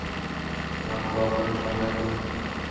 ভাগ্য আপনার সহায় হোক!